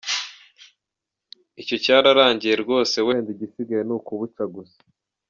Icyo cyararangiye rwose, wenda igisigaye ni ukuwuca gusa.